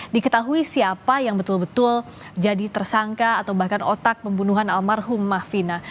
diketahui siapa yang betul betul jadi tersangka atau bahkan otak pembunuhan almarhum mafina